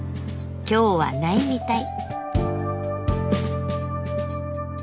今日はないみたい。